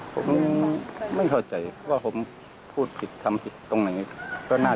ผมไม่เข้าใจว่าผมพูดผิดทำผิดตรงไหน